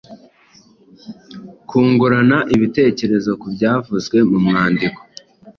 Kungurana ibitekerezo ku byavuzwe mu mwandiko